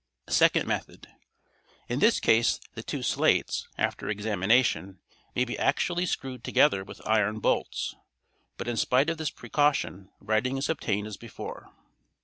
Second Method.—In this case the two slates, after examination, may be actually screwed together with iron bolts, but in spite of this precaution writing is obtained as before.